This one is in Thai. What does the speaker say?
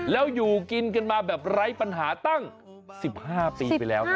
แล้วอยู่กินกันมาแบบไร้ปัญหาตั้ง๑๕ปีไปแล้วครับ